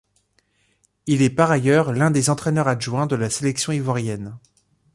Il est par ailleurs l'un des entraîneurs adjoints de la sélection ivoirienne.